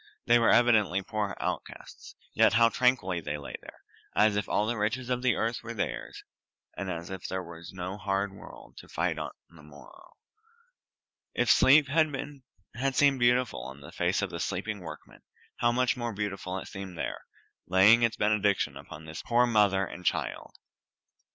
They were evidently poor outcasts, yet how tranquilly they lay there, as if all the riches of the earth were theirs, and as if there was no hard world to fight on the morrow. If sleep had seemed beautiful on the face of the sleeping workman, how much more beautiful it seemed here, laying its benediction upon this poor mother and child.